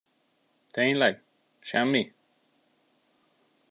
Tényleg? Semmi?